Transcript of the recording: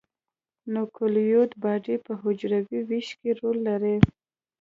نوکلوئید باډي په حجروي ویش کې رول لري.